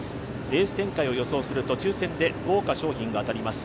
レース展開を予想すると抽選で豪華賞品が当たります